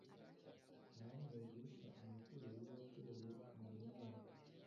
yahaniwe guhisha amakuru y’uwateye inda umwana.